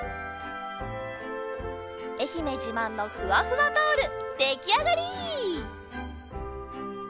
えひめじまんのふわふわタオルできあがり！